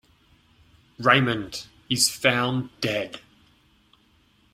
Raymond is found dead.